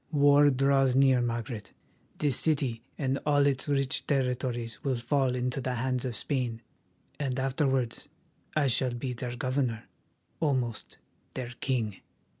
War draws near, Margaret; this city and all its rich territories will fall into the hands of Spain, and afterwards I shall be their governor, almost their king."